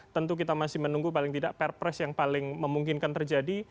tentu kita masih menunggu paling tidak perpres yang paling memungkinkan terjadi